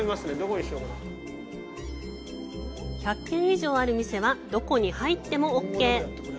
１００軒以上ある店はどこに入ってもオーケー！